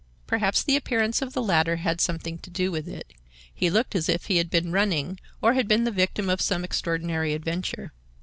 Perhaps the appearance of the latter had something to do with it; he looked as if he had been running, or had been the victim of some extraordinary adventure.